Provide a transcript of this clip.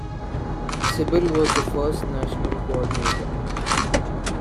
Sybil was the first national coordinator.